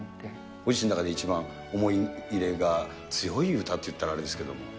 ご自身の中で一番思い入れが強い歌っていったらあれですけれども。